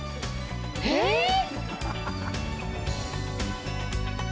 えっ！？